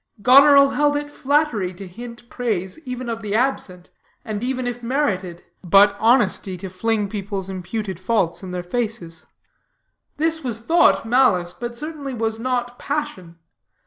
Goneril held it flattery to hint praise even of the absent, and even if merited; but honesty, to fling people's imputed faults into their faces. This was thought malice, but it certainly was not passion.